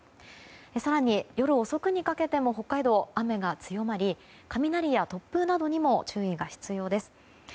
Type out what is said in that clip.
更に夜遅くにかけても北海道、雨が強まり雷や突風などにも注意が必要です。